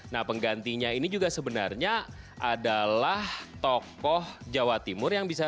nah penggantinya ini juga sebenarnya adalah tokoh jawa timur